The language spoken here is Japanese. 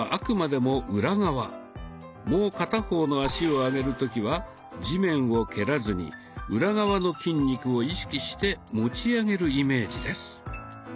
もう片方の脚を上げる時は地面を蹴らずに裏側の筋肉を意識して持ち上げるイメージです。